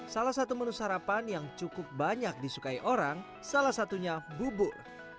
salah satu menu sarapan yang cukup banyak disukai orang salah satunya bubur